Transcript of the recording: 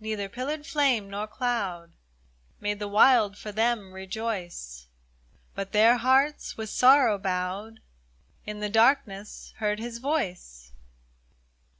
Neither pillared flame nor cloud Made the wild, for them, rejoice, But their hearts, with sorrow bowed. In the darkness heard His voice.